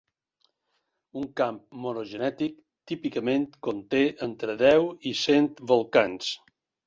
Un camp monogenètic típicament conté entre deu i cent volcans.